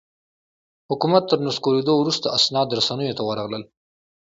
حکومت تر نسکورېدو وروسته اسناد رسنیو ته ورغلل.